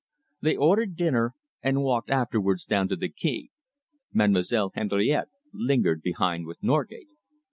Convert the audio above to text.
They ordered dinner and walked afterwards down to the quay. Mademoiselle Henriette lingered behind with Norgate.